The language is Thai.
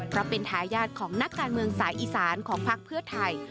เพราะเป็นทายาทของนักการเมืองสายอีสานของพักเพื่อไทย